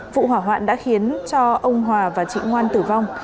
vụ hỏa hoạn đã khiến cho ông hòa và chị ngoan tử vong